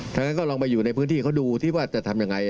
งั้นก็ลองไปอยู่ในพื้นที่เขาดูที่ว่าจะทำยังไง